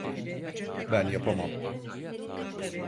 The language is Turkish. Ben yapamam.